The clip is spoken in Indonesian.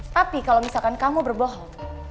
tapi kalau misalkan kamu berbohong